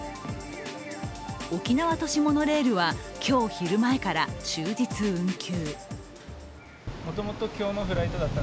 沖縄都市モノレールは今日昼前から終日運休。